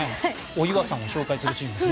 お岩さんを紹介するシーン。